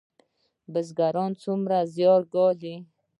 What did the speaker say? بزګران څومره زحمت ګالي؟